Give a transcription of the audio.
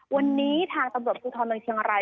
วันนี้ทางตำรวจภูทรเมืองเชียงราย